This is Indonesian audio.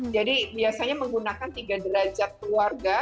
biasanya menggunakan tiga derajat keluarga